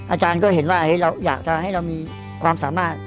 อาจารย์ก็เห็นว่าเราอยากจะให้เรามีความสามารถ